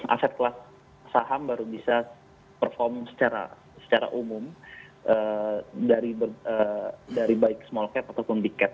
aset kelas saham baru bisa performing secara umum dari baik small cap ataupun big cap